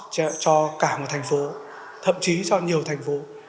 cho cả một thành phố thậm chí cho nhiều thành phố